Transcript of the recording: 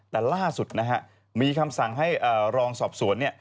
แต่ล่าสุดมีคำสั่งให้รองสอบสวน